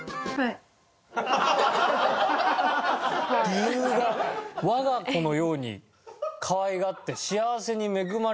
理由が「我が子のように可愛がって幸せに恵まれてほしい」